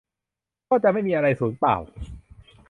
ก็จะไม่มีอะไรสูญเปล่า